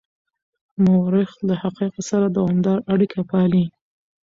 مورخ له حقایقو سره دوامداره اړیکه پالي.